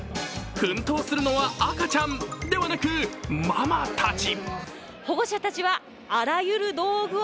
奮闘するのは赤ちゃんではなくママたち。